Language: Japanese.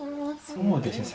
そうですね